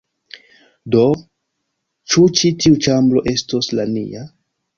Do, ĉu ĉi tiu ĉambro estos la nia?